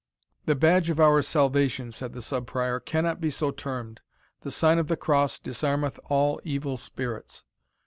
"The badge of our salvation," said the Sub Prior, "cannot be so termed the sign of the cross disarmeth all evil spirits."